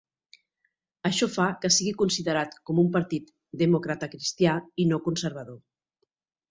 Això fa que sigui considerat com un partit democratacristià i no conservador.